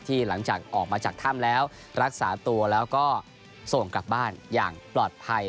หลังจากออกมาจากถ้ำแล้วรักษาตัวแล้วก็ส่งกลับบ้านอย่างปลอดภัย